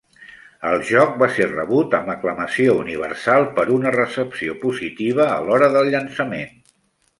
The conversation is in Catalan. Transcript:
El joc va ser rebut amb aclamació universal per una recepció positiva a l'hora del llançament.